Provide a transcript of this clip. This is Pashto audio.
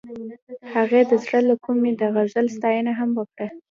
هغې د زړه له کومې د غزل ستاینه هم وکړه.